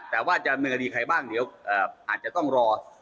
แต่ว่าจะมีคดีใครบ้างเดี๋ยวอาจจะต้องรอ